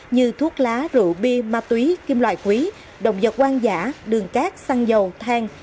như thuốc lá rượu bia ma túy kim loại quý đồng dọc quan giả đường cát xăng dầu thang